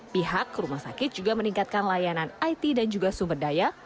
pihak rumah sakit juga meningkatkan layanan it dan juga sumber daya